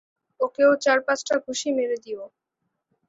ওকেও চার-পাঁচটা ঘুষি মেরে দিও।